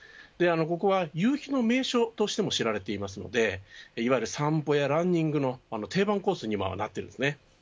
ここは夕日の名所として知られていますのでいわゆる散歩とかランニングの定番コースにもなっているんですね。